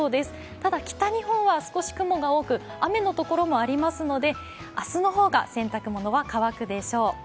ただ、北日本は少し雲が多く雨のところもありますので明日の方が洗濯物は乾くでしょう。